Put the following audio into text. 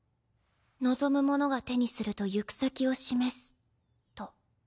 望む者が手にすると行く先を示すと。